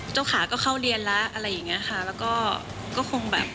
จะได้ผอมรุงเร็ว